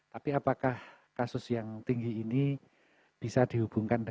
tapi apakah kasus yang tinggi ini bisa dihubungkan dengan